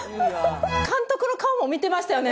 監督の顔も見てましたよね